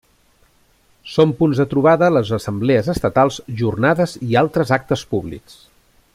Són punts de trobada les Assemblees Estatals, jornades i altres actes públics.